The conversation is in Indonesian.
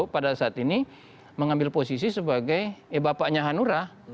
pada saat ini mengambil posisi sebagai eh bapaknya hanura